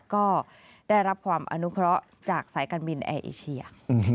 ก็ได้รับความอนุเคราะห์จากสายการบินแอร์เอเชีย